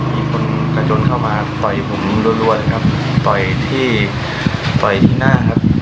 มีคนกระจนเข้ามาต่อยผมรัวนะครับต่อยที่ต่อยที่หน้าครับ